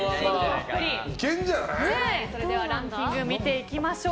それではランキング見ていきましょう。